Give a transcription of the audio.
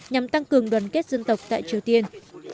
nhằm tăng cường đoàn kết dân tộc tại triều tiên